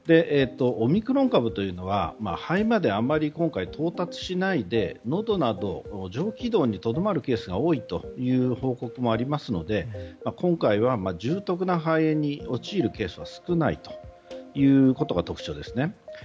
オミクロン株というのは肺まで、あまり今回到達しないでのどなど上気道にとどまるケースが多いという報告もありますので今回は重篤な肺炎に陥るケースが少ないということが特徴ですね。